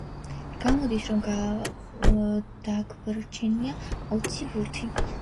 გამოდის, რომ დაგვრჩენია ოცი ბურთი.